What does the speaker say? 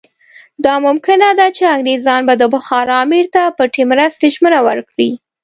دا ممکنه ده چې انګریزان به د بخارا امیر ته پټې مرستې ژمنه ورکړي.